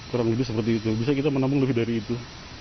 kurang lebih seperti itu bisa kita menampung lebih dari itu